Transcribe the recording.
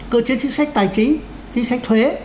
cơ chế chính sách tài chính chính sách thuế